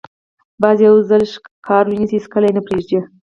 باز یو ځل ښکار ونیسي، هېڅکله یې نه پرېږدي